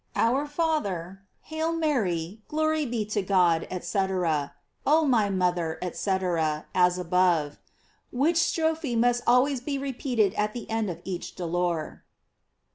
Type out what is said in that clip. Our Father, Hail Mary, Glory be to God, &c., Oh my mother, &c., as above. Which strophe must always be repeated at the end of each dolor.